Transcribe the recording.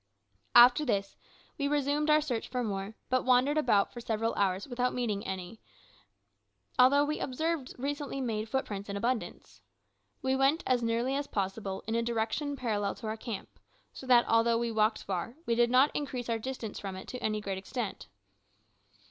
After this we resumed our search for more, but wandered about for several hours without meeting with any, although we observed recently made footprints in abundance. We went as nearly as possible in a direction parallel to our camp, so that although we walked far we did not increase our distance from it to any great extent.